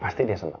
pasti dia senang